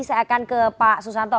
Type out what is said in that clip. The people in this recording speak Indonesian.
saya akan ke pak susanto